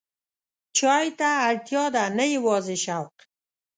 چای ته اړتیا ده، نه یوازې شوق.